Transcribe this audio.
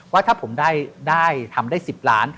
ว่าถ้าผมได้ทำได้๑๐ล้าน